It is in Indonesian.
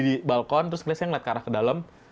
di balkon terus kelihatan saya melihat ke arah ke dalam